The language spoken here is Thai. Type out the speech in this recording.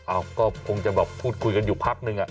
อ้าวก็คงจำแบบคุยกันอยู่พักสักหนึ่ง